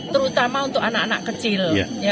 terutama untuk anak anak kecil